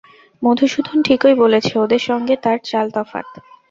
মধুসূদন ঠিকই বলেছে ওদের সঙ্গে তার চাল তফাত।